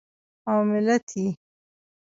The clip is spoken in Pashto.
او ملت یې